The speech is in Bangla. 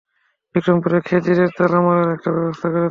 বিক্রমের খেজুরে তালা মারার একটা ব্যবস্থা করা দরকার।